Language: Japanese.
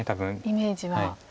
イメージは。